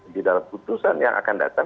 di dalam putusan yang akan datang